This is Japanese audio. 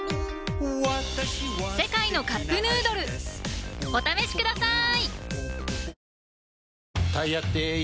「世界のカップヌードル」お試しください！